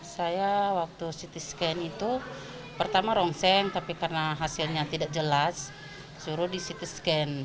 saya waktu ct scan itu pertama rongseng tapi karena hasilnya tidak jelas suruh di ct scan